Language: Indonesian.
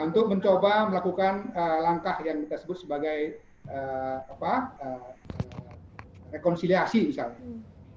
untuk mencoba melakukan langkah yang kita sebut sebagai rekonsiliasi misalnya